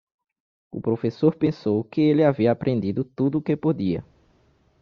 O professor pensou que ele havia aprendido tudo o que podia.